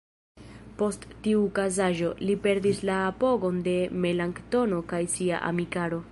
Post tiu okazaĵo, li perdis la apogon de Melanktono kaj sia amikaro.